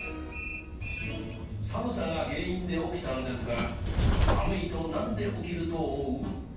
寒さが原因で起きたんですが寒いとなんで起きると思う？